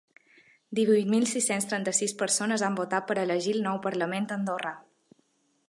Divuit mil sis-cents trenta-sis persones han votat per elegir el nou parlament andorrà.